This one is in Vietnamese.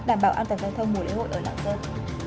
đảm bảo an toàn giao thông mùa lễ hội ở lạng sơn